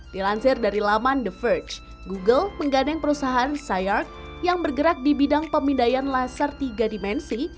dilansir dari laman the verge google menggandeng perusahaan cyart yang bergerak di bidang pemindaian laser tiga dimensi